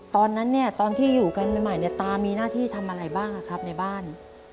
ตอนนั้นเนี่ยตอนที่อยู่กันใหม่เนี่ยตามีหน้าที่ทำอะไรบ้างครับในบ้าน